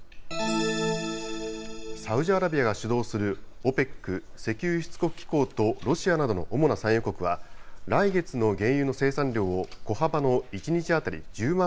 サウジアラビアが主導するＯＰＥＣ、石油輸出国機構とロシアなどの主な産油国は来月の原油の生産量を小幅の１日当たり１０万